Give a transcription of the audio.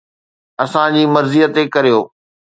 اسان جي مرضي تي ڪريو.